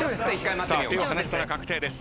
手を離したら確定です。